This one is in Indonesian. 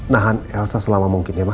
nahan elsa selama mungkin ya mas